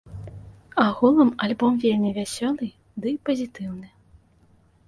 Агулам альбом вельмі вясёлы ды пазітыўны.